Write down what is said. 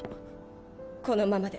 このままで。